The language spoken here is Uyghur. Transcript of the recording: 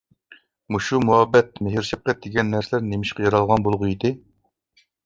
مۇشۇ مۇھەببەت، مېھىر-شەپقەت دېگەن نەرسىلەر نېمىشقا يارالغان بولغىيدى.